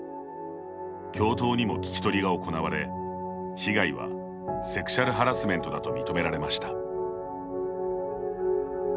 教頭にも聞き取りが行われ被害はセクシャルハラスメントだと認められました。